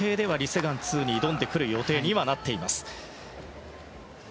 ・セグァン２に挑んでくる予定にはなっています。